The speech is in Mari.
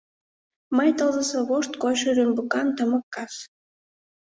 Май тылзысе вошт койшо рӱмбыкан тымык кас.